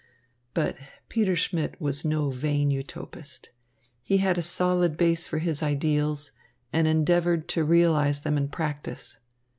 But Peter Schmidt was no vain Utopist. He had a solid basis for his ideals, and endeavoured to realise them in practice.